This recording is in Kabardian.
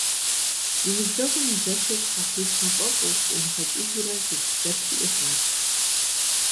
И ныбжьэгъум и зэшыр щхьэщихмэ фӏэфӏу, щӏимыгъэкӏыжурэ зэтриӏыгъащ.